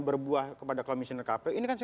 berbuah kepada komisioner kpu ini kan